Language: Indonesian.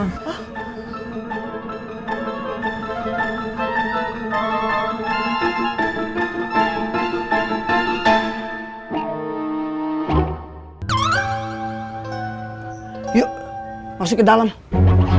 kayakan kamu sih